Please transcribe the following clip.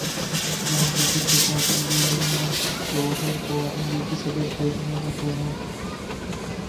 پریانکا خود کو بھارتی وزیر اعظم اور شوہر کو امریکی صدر دیکھنے کی خواہاں